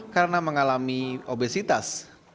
karena mengalami obesitas